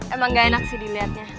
emang gak enak sih dilihatnya